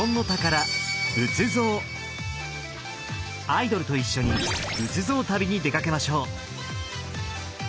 アイドルと一緒に仏像旅に出かけましょう。